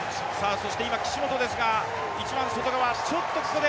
そして今、岸本ですが一番外側。